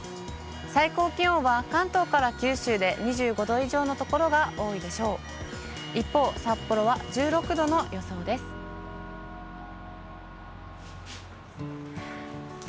最高気温は関東から九州で２５度以上の所が多いでしょう。